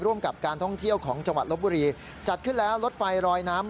กับการท่องเที่ยวของจังหวัดลบบุรีจัดขึ้นแล้วรถไฟรอยน้ำ